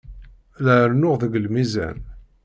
La rennuɣ deg lmizan.